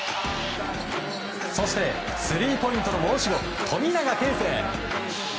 そしてスリーポイントの申し子富永啓生。